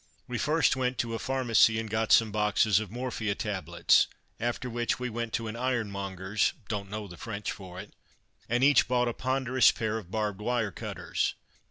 We first went to a "pharmacie" and got some boxes of morphia tablets, after which we went to an ironmonger's (don't know the French for it) and each bought a ponderous pair of barbed wire cutters.